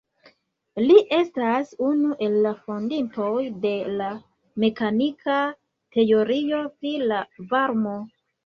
Li estas unu el la fondintoj de la mekanika teorio pri la varmo.